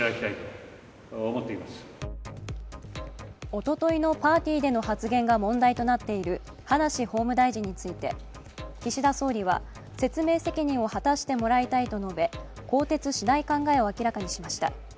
おとといのパーティーでの発言が問題となっている葉梨法務大臣について岸田総理は、説明責任を果たしてもらいたいと述べ更迭しない考えを明らかにしました。